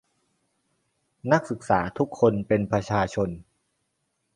นักศึกษาทุกคนเป็นประชาชน